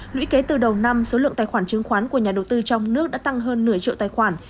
lũy kế từ đầu năm số lượng tài khoản chứng khoán của nhà đầu tư trong nước đã tăng hơn nửa triệu tài khoản